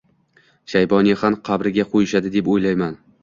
Shayboniyxon qabriga qo‘yishadi, deb o‘ylayman.